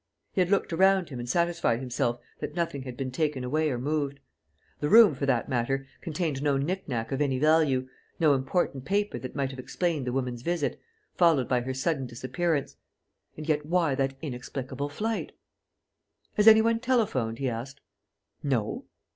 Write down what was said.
He had looked around him and satisfied himself that nothing had been taken away or moved. The room, for that matter, contained no knick knack of any value, no important paper that might have explained the woman's visit, followed by her sudden disappearance. And yet why that inexplicable flight? "Has any one telephoned?" he asked. "No."